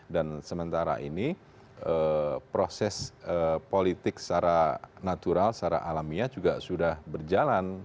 dan sementara ini proses politik secara natural secara alamiah juga sudah berjalan